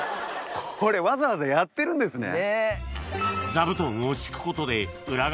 これわざわざやってるんですね。